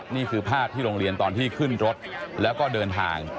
นี่คือภาพที่โรงเรียนตอนที่ขึ้นรถแล้วก็เดินทาง